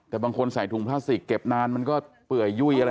แต่บางคนใส่ถุงพลาสติกเก็บนานมันก็เปื่อยยุ่ยอะไร